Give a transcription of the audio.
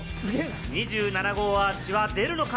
２７号アーチは出るのか？